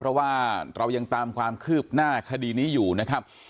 เพราะว่าเรายังตามความคืบหน้าคดีนี้อยู่นะครับ